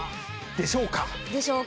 でしょうか。